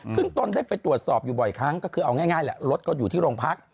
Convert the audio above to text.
ซึ่งตนได้ไปตรวจสอบอยู่บ่อยครั้งก็คือเอาง่ายแหละรถก็อยู่ที่โรงพัก